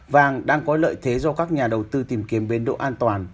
vàng đang có lợi thế do các nhà đầu tư tìm kiếm biến độ an toàn